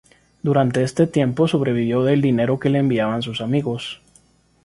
Durante este tiempo sobrevivió del dinero que le enviaban sus amigos.